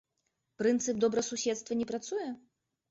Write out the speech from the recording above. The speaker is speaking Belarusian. Прынцып добрасуседства не працуе?